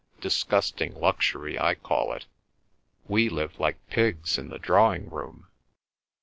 "Disgusting luxury, I call it. We live with pigs in the drawing room."